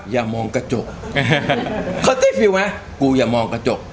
อย่ามองกระจกเขาตี้ฟิลไหมกูอย่ามองกระจก